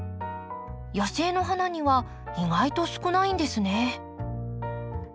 野生の花には意外と少ないんですね。